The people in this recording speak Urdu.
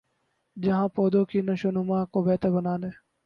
جہاں پودوں کی نشوونما کو بہتر بنانے